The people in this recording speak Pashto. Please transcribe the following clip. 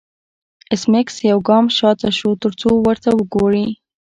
ایس میکس یو ګام شاته شو ترڅو ورته وګوري